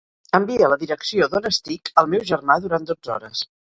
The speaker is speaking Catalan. Envia la direcció d'on estic al meu germà durant dotze hores.